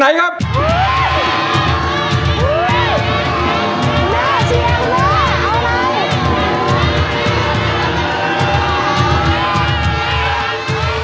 น่าเชียร์มากเอาหน่อย